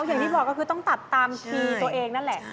อย่างที่บอกก็คือต้องตัดตามทีตัวเองนั่นแหละ